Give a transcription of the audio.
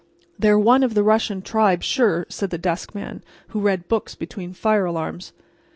"They're one of the Russian tribes, sure," said the desk man, who read books between fire alarms.